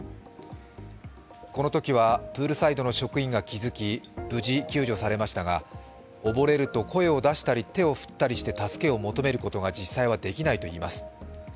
このときはプールサイドの職員が気付き、無事救助されましたが、溺れると声を出したり手を振って助けを求めることが助けを求めることが実際はできないといいます。